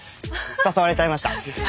誘われちゃいました。